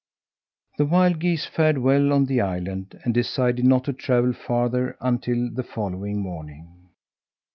The wild geese fared well on the island and decided not to travel farther until the following morning.